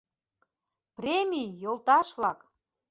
— Премий, йолташ-влак!